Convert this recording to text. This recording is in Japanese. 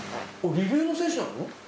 リレーの選手なの？